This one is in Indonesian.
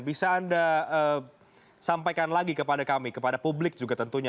bisa anda sampaikan lagi kepada kami kepada publik juga tentunya